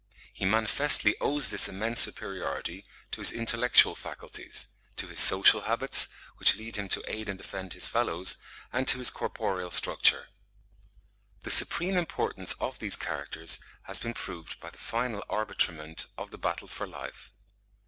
He manifestly owes this immense superiority to his intellectual faculties, to his social habits, which lead him to aid and defend his fellows, and to his corporeal structure. The supreme importance of these characters has been proved by the final arbitrament of the battle for life.